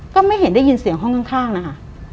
ก็ไม่เห็นได้ยินเสียงห้องข้างนะคะ